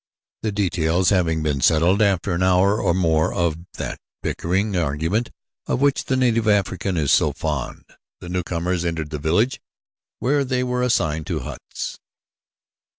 The details having been settled after an hour or more of that bickering argument of which the native African is so fond, the newcomers entered the village where they were assigned to huts.